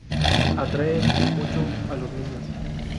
Atraen mucho a los niños.